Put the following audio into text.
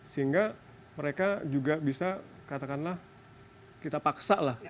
sehingga mereka juga bisa katakanlah kita paksa lah